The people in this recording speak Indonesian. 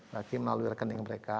lagi melalui rekening mereka